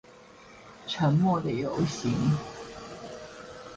沉默的遊行